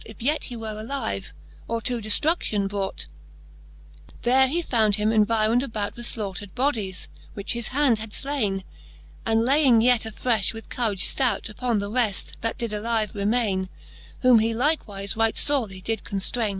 If yet he were alive, or to deftrudion brought. XXXVIII. There he him found environed about With flaughtred bodies, which his hand had flaine. And laying yet afrefh with courage ftout Upon the reft, that did alive remaine ; Whom he likewife right forely did conftraine.